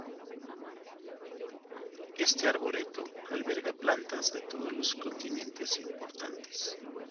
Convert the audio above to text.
Este arboreto alberga plantas de todos los continentes importantes.